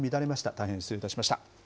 大変失礼いたしました。